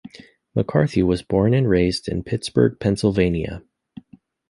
McCarthy was born and raised in Pittsburgh, Pennsylvania.